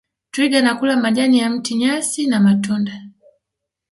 twiga anakula majani ya miti nyasi na matunda